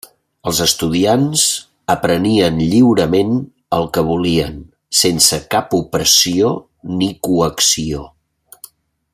Els estudiants aprenien lliurement el que volien sense cap opressió ni coacció.